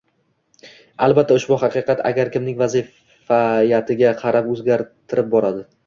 Albatta ushbu haqiqat har kimning vaziyatiga qarab o`zgarib boradi